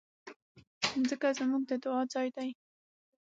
مځکه زموږ د دعا ځای ده.